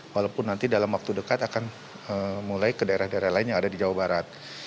walaupun nanti dalam waktu dekat akan mulai ke daerah daerah lain yang ada di jawa barat